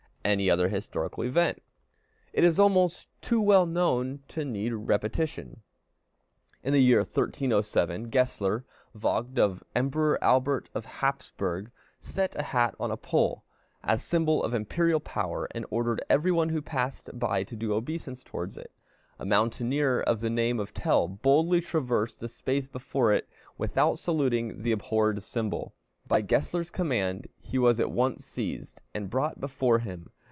any other historical event. It is almost too well known to need repetition. In the year 1307, Gessler, Vogt of the Emperor Albert of Hapsburg, set a hat on a pole, as symbol of imperial power, and ordered every one who passed by to do obeisance towards it. A mountaineer of the name of Tell boldly traversed the space before it without saluting the abhorred symbol. By Gessler's command he was at once seized and brought before him.